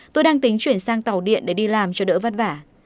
tôi đang tính chuyển sang tàu điện để đi làm cho đỡ vất vả